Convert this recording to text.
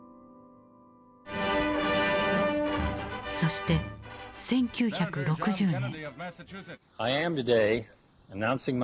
そして１９６０年。